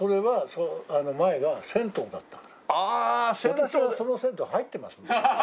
私はその銭湯入ってます。